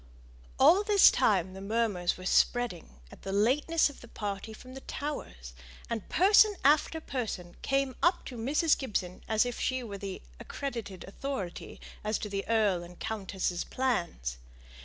All this time the murmurs were spreading at the lateness of the party from the Towers, and person after person came up to Mrs. Gibson as if she were the accredited authority as to the earl and countess's plans.